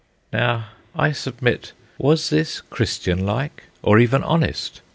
Now I submit, was this Christian like, or even honest?